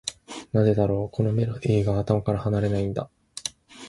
なぜだろう、このメロディーが頭から離れないんだ。